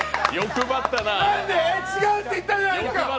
違うって言ったじゃないですか！